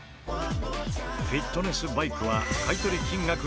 フィットネスバイクは買取金額１万円。